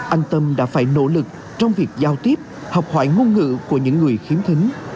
anh tâm đã phải nỗ lực trong việc giao tiếp học hỏi ngôn ngữ của những người khiếm thính